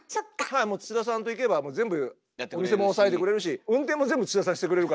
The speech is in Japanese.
はい土田さんと行けばもう全部お店も押さえてくれるし運転も全部土田さんしてくれるからみたいな。